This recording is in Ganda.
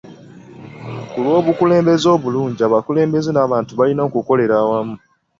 Ku lw'obukulembeze obulungi, abakulembeze n'abantu balina okukolera awamu.